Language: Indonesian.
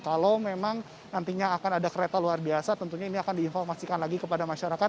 kalau memang nantinya akan ada kereta luar biasa tentunya ini akan diinformasikan lagi kepada masyarakat